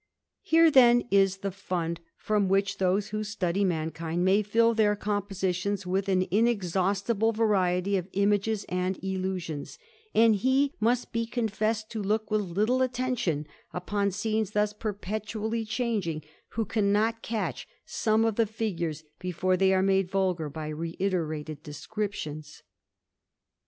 ftere then is the fund, from which those who study '^'^kind may fill their compositions with an inexhaustible ^^^ty of images and illusions ; and he must be confessed *Ook with little attention upon scenes thus perpetuaUy '^^ging, who cannot catch some of the figures before they ^^ ^^ade vulgar by reiterated descriptions.